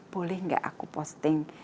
boleh gak aku posting